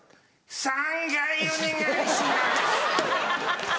「３階お願いします！」。